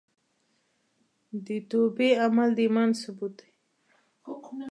د توبې عمل د ایمان ثبوت دی.